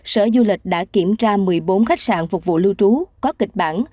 sở du lịch đã kiểm tra một mươi bốn khách sạn phục vụ lưu trú có kịch bản